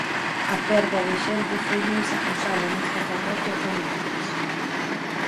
A perda de xente foi máis acusada nesta parroquia ca noutras.